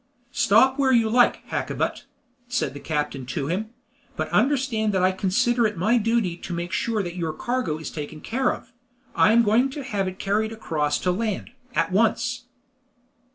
"Stop where you like, Hakkabut," said the captain to him; "but understand that I consider it my duty to make sure that your cargo is taken care of. I am going to have it carried across to land, at once."